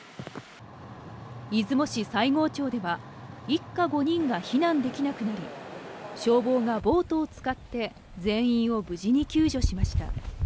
出雲市西郷町では、一家５人が避難できなくなり、消防がボートを使って、全員を無事に救助しました。